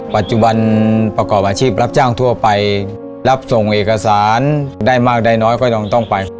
ปัจจุบันประกอบอาชีพรับจ้างทั่วไปรับส่งเอกสารได้มากได้น้อยก็ยังต้องไป